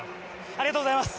ありがとうございます。